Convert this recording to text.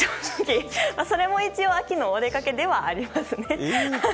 それも一応秋のお出かけではありますね。